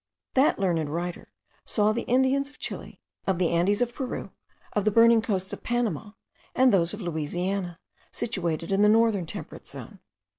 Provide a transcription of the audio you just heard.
That learned writer saw the Indians of Chile, of the Andes of Peru, of the burning coasts of Panama, and those of Louisiana, situated in the northern temperate zone.